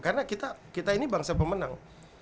karena kita ini bangsa pemenang